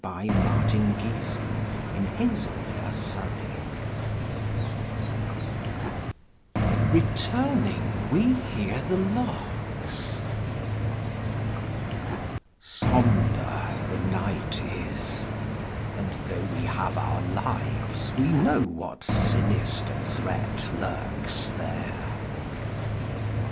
9 J POEMS BY ISAAC ROSENBERG RETURNING, WE HEAR THE LARKS Sombre the night is : And, though we have our lives, we know What sinister threat lurks there.